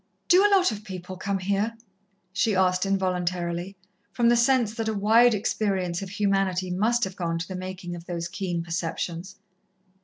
"Do a lot of people come here?" she asked involuntarily, from the sense that a wide experience of humanity must have gone to the making of those keen perceptions.